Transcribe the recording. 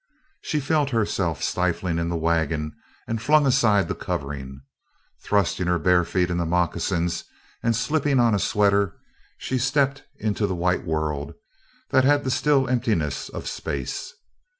She felt herself stifling in the wagon and flung aside the covering. Thrusting her bare feet into moccasins and slipping on a sweater, she stepped into the white world that had the still emptiness of space.